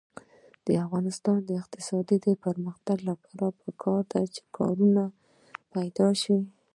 د افغانستان د اقتصادي پرمختګ لپاره پکار ده چې کارونه پیدا شي.